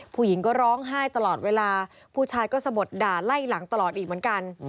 ผู้หญิงก็ร้องไห้ตลอดเวลาผู้ชายก็สะบดด่าไล่หลังตลอดอีกเหมือนกัน